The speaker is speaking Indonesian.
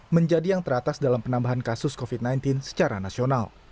menjadi yang teratas dalam penambahan kasus covid sembilan belas secara nasional